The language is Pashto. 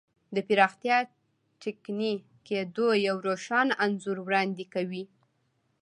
د پراختیا ټکني کېدو یو روښانه انځور وړاندې کوي.